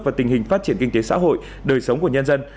và tình hình phát triển kinh tế xã hội đời sống của nhân dân